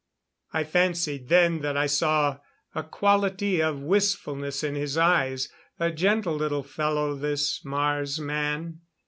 I fancied then that I saw a quality of wistfulness in his eyes. A gentle little fellow, this Mars man.